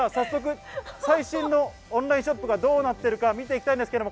最新のオンラインショップがどうなっているか見ていきます。